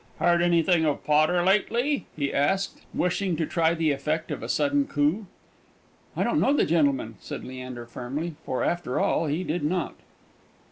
"Heard anything of Potter lately?" he asked, wishing to try the effect of a sudden coup. "I don't know the gentleman," said Leander, firmly; for, after all, he did not.